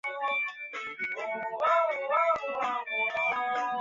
长果牧根草是桔梗科牧根草属的植物。